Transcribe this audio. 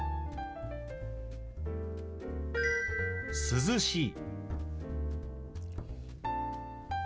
「涼しい」。